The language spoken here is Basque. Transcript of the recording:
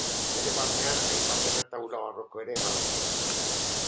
Bere barnean hainbat erretaula barroko ere badaude.